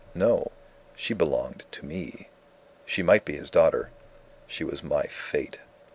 No! she belonged to me. She might be his daughter. She was My Fate.